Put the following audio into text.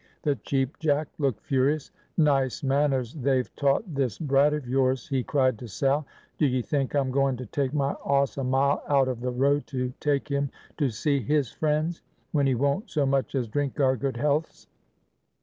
The Cheap Jack looked furious. "Nice manners they've taught this brat of yours!" he cried to Sal. "Do ye think I'm going to take my 'oss a mile out of the road to take him to see his friends, when he won't so much as drink our good healths?"